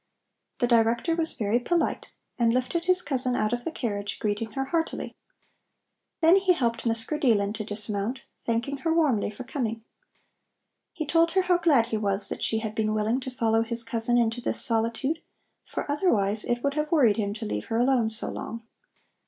The Director was very polite and lifted his cousin out of the carriage, greeting her heartily. Then he helped Miss Grideelen to dismount, thanking her warmly for coming. He told her how glad he was that she had been willing to follow his cousin into this solitude, for otherwise it would have worried him to leave her alone so long.